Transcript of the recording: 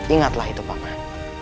ingatlah itu paman